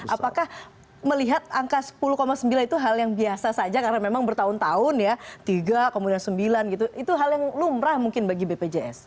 apakah melihat angka sepuluh sembilan itu hal yang biasa saja karena memang bertahun tahun ya tiga kemudian sembilan gitu itu hal yang lumrah mungkin bagi bpjs